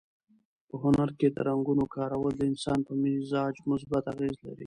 په هنر کې د رنګونو کارول د انسان په مزاج مثبت اغېز لري.